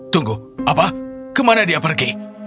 tunggu apa kemana dia pergi